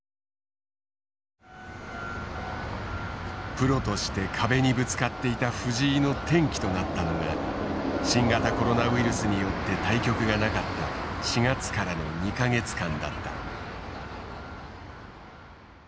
プロとして壁にぶつかっていた藤井の転機となったのが新型コロナウイルスによって対局がなかった４月からの２か月間だった。